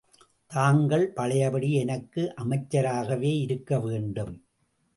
தாங்கள் பழையபடி எனக்கு அமைச்சராகவே இருக்க வேண்டும்.